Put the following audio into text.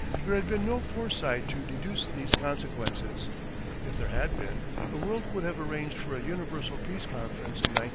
There had been no foresight to deduce these consequences. If there had been, the world would have arranged for a Universal Peace Conference in 1900.